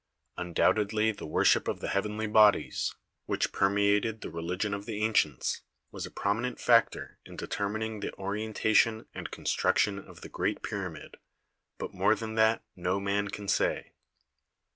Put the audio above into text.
Undoubtedly the worship of the heavenly bodies, which permeated the religion of the ancients, was a prominent factor in determin ing the orientation and construction of the great pyramid, but more than that no man can say.